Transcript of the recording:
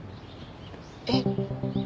えっ？